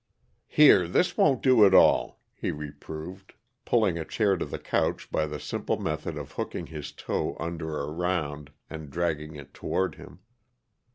"Here, this won't do at all," he reproved, pulling a chair to the couch by the simple method of hooking his toe under a round and dragging it toward him.